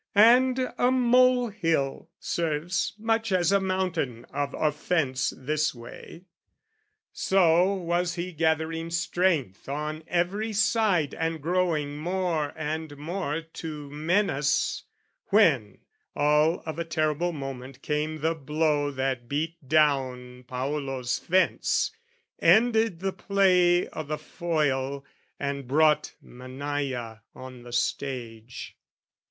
and a molehill serves Much as a mountain of offence this way. So was he gathering strength on every side And growing more and more to menace when All of a terrible moment came the blow That beat down Paolo's fence, ended the play O' the foil and brought Mannaia on the stage.